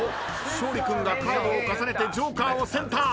勝利君がカードを重ねてジョーカーをセンター。